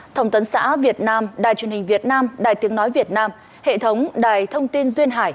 thông tấn xã việt nam đài truyền hình việt nam đài tiếng nói việt nam hệ thống đài thông tin duyên hải